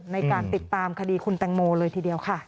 ในการติดตามคดีคุณแตงโมเลยทีเดียวค่ะ